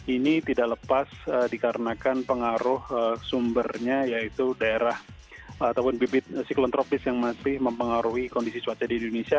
ini tidak lepas dikarenakan pengaruh sumbernya yaitu daerah ataupun bibit siklon tropis yang masih mempengaruhi kondisi cuaca di indonesia